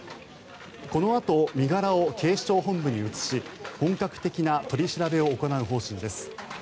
このあと身柄を警視庁本部に移し本格的な取り調べを行う方針です。